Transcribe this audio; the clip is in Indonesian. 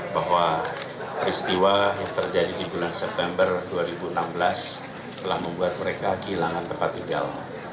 bahwa peristiwa yang terjadi di bulan september dua ribu enam belas telah membuat mereka kehilangan tempat tinggal